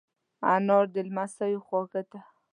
انا د لمسیو خواږه ده